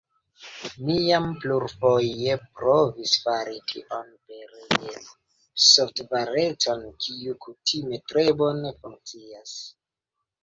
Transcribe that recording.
Mi jam plurfoje provis fari tion pere de softvareton, kiu kutime tre bone funkcias.